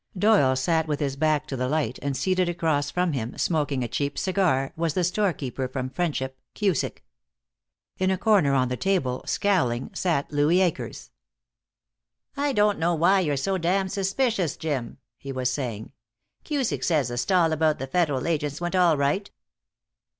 Doyle sat with his back to the light, and seated across from him, smoking a cheap cigar, was the storekeeper from Friendship, Cusick. In a corner on the table, scowling, sat Louis Akers. "I don't know why you're so damned suspicious, Jim," he was saying. "Cusick says the stall about the Federal agents went all right."